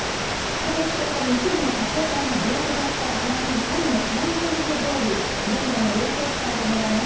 今月１０日に一部のサポーターが暴徒化したフランス・パリのシャンゼリゼ通り現在の様子を伝えてもらいます。